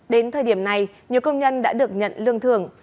đến thời điểm này nhiều công nhân đã được nhận lương thưởng